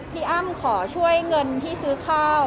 อ้ำขอช่วยเงินที่ซื้อข้าว